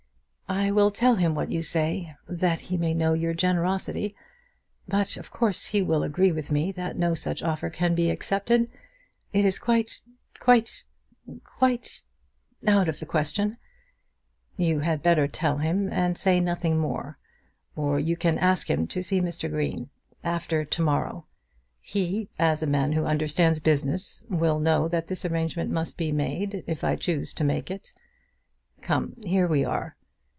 "I will tell him what you say, that he may know your generosity. But of course he will agree with me that no such offer can be accepted. It is quite, quite, quite, out of the question." "You had better tell him and say nothing more; or you can ask him to see Mr. Green, after to morrow. He, as a man who understands business, will know that this arrangement must be made, if I choose to make it. Come; here we are.